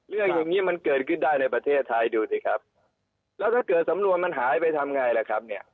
อย่างงี้มันเกิดขึ้นได้ในประเทศไทยดูสิครับแล้วถ้าเกิดสำนวนมันหายไปทำไงล่ะครับเนี่ย